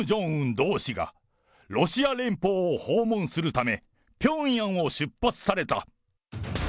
同志がロシア連邦を訪問するため、ピョンヤンを出発された。